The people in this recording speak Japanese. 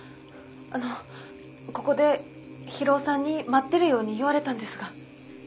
あのここで博夫さんに待ってるように言われたんですが。